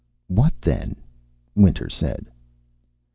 "What then?" Winter said.